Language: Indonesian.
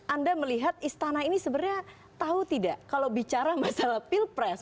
anda melihat istana ini sebenarnya tahu tidak kalau bicara masalah pilpres